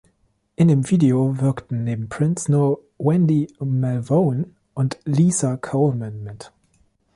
In dem Video wirkten neben Prince nur Wendy Melvoin und Lisa Coleman mit.